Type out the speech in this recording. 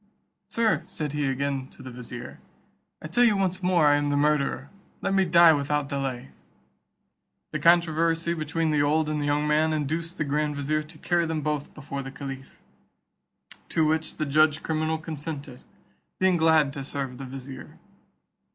"Sir," said he again to the vizier, "I tell you once more I am the murderer; let me die without delay." The controversy between the old and the young man induced the grand vizier to carry them both before the caliph, to which the judge criminal consented, being glad to serve the vizier.